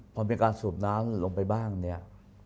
พอมีการสูบน้ำลงไปบ้างเนี่ย